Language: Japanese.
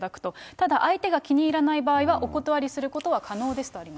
ただ相手が気に入らない場合はお断りすることは可能ですとありま